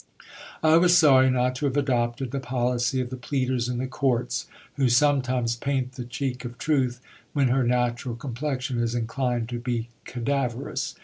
I was sorry not to have adopted the policy of the pleaders in the courts, who sometimes paint the cheek of truth when her natural complexion is inclined to be cadaverous.